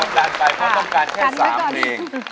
ลดความกดกันไปเพราะต้องการแค่๓เพลง